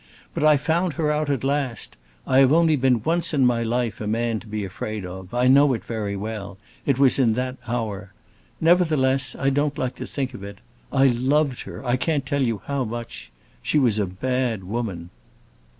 But I found her out at last. I have only been once in my life a man to be afraid of; I know it very well; it was in that hour! Nevertheless I don't like to think of it. I loved her—I can't tell you how much. She was a bad woman."